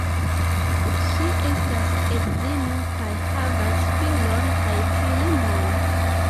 Ŝi estas edzino kaj havas filon kaj filinon.